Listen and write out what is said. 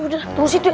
sudah sudah sudah